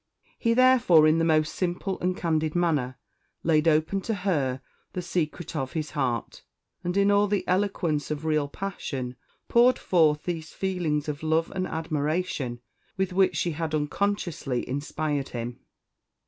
He therefore, in the most simple and candid manner, laid open to her the secret of his heart, and in all the eloquence of real passion, poured forth those feelings of love and admiration with which she had unconsciously inspired him.